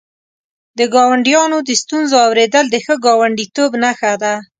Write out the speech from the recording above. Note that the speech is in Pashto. د ګاونډیانو د ستونزو اورېدل د ښه ګاونډیتوب نښه ده.